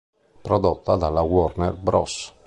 Prodotta dalla Warner Bros.